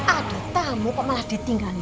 aduh tamu kok malah ditinggalin